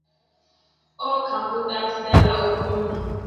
Ọkammụta Stella Okunna